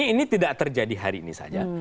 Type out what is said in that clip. ini tidak terjadi hari ini saja